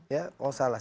ya kalau salah